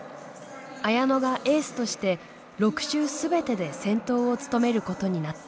綾乃がエースとして６周全てで先頭を務めることになった。